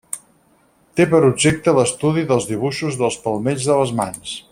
Té per objecte l'estudi dels dibuixos dels palmells de les mans.